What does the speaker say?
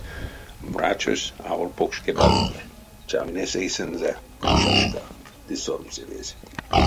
Врачось, аволь покшке бабине, чаминесь эйсэнзэ грушашка ды сормсевезь.